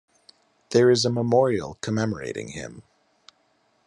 There is a memorial commemorating him.